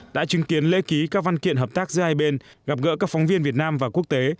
đã chứng kiến lễ ký các văn kiện hợp tác giữa hai bên gặp gỡ các phóng viên việt nam và quốc tế